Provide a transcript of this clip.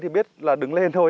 thì biết là đứng lên thôi